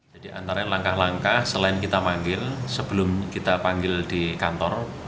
jadi antara langkah langkah selain kita manggil sebelum kita panggil di kantor